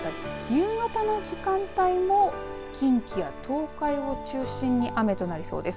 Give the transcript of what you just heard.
夕方の時間帯も近畿や東海を中心に雨となりそうです。